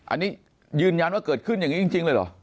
อันนี้ยืนยันว่าเกิดขึ้นอย่างนี้จริงเลยเหรอ